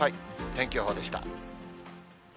天気予報でした。